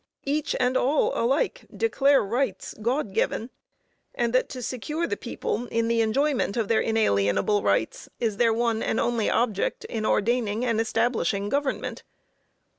Each and all, alike declare rights God given, and that to secure the people in the enjoyment of their inalienable rights, is their one and only object in ordaining and establishing government.